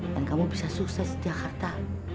dan kamu bisa sukses di jakarta